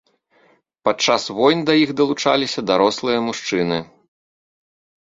Падчас войн да іх далучаліся дарослыя мужчыны.